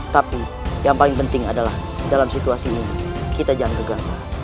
tapi yang paling penting adalah dalam situasi ini kita jangan tegak